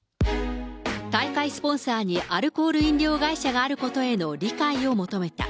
大会スポンサーに、アルコール飲料会社があることへの理解を求めた。